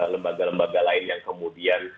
lembaga lembaga lain yang kemudian